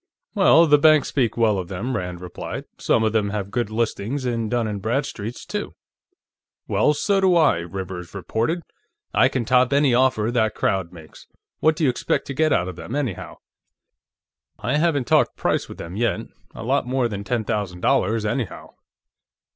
"Well, the banks speak well of them," Rand replied. "Some of them have good listings in Dun & Bradstreet's, too." "Well, so do I," Rivers reported. "I can top any offer that crowd makes. What do you expect to get out of them, anyhow?" "I haven't talked price with them, yet. A lot more than ten thousand dollars, anyhow."